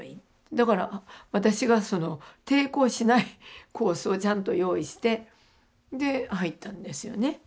だから私がその抵抗しないコースをちゃんと用意して入ったんですよね。